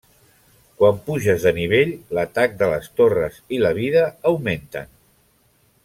Quan puges de nivell, l'atac de les torres i la vida augmenten.